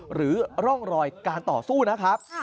หรือร่องรอยการต่อสู้นะครับ